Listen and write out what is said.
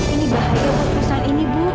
ini bahaya perusahaan ini bu